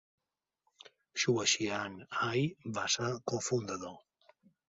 Xuexian Ai va ser cofundador.